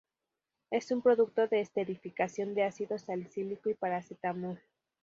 Es un producto de esterificación de ácido salicílico y paracetamol.